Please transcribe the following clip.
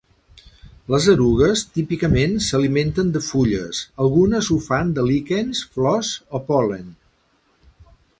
Les erugues típicament s'alimenten de fulles, algunes ho fan de líquens, flors o pol·len.